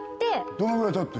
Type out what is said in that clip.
どのぐらいたって？